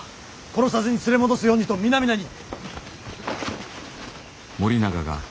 殺さずに連れ戻すようにと皆々に。